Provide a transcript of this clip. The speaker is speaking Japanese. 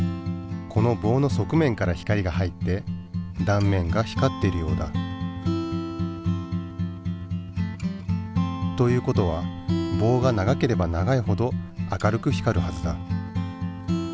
この棒の側面から光が入って断面が光っているようだ。という事は棒が長ければ長いほど明るく光るはずだ。